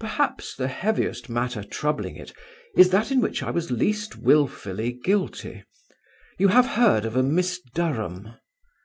Perhaps the heaviest matter troubling it is that in which I was least wilfully guilty. You have heard of a Miss Durham?"